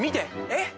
えっ？